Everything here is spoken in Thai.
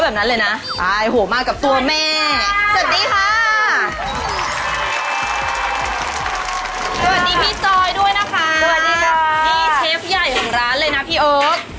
วันนี้เชฟใหญ่ของร้านเลยนะพี่ออก